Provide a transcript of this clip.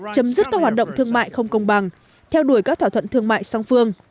chấm dứt các hoạt động thương mại không công bằng theo đuổi các thỏa thuận thương mại song phương